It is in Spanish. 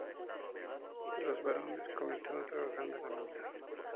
Los varones comenzaron trabajando en la mina.